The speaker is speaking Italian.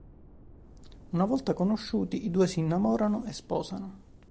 Una volta conosciuti, i due si innamorano e sposano.